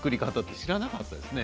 知らなかったね。